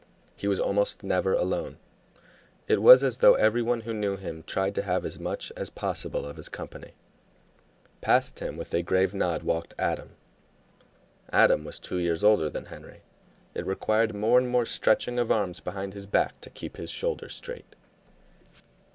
He was almost never alone; it was as though every one who knew him tried to have as much as possible of his company. Past him with a grave nod walked Adam. Adam was two years older than Henry; it required more and more stretching of arms behind his back to keep his shoulders straight.